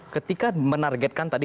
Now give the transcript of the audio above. ketika menargetkan tadi